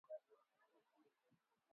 Ongeza sukari na ukoroge uji epua